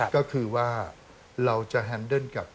ก็คือว่าเราจะแฮนเดิร์นกับ